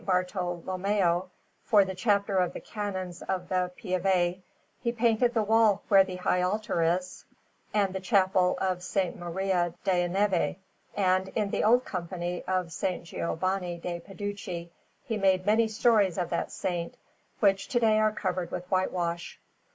Bartolommeo, for the Chapter of the Canons of the Pieve, he painted the wall where the high altar is, and the Chapel of S. Maria della Neve; and in the old Company of S. Giovanni de' Peducci he made many stories of that Saint, which to day are covered with whitewash.